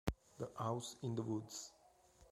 The House in the Woods